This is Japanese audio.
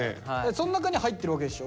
その中に入ってるわけでしょ？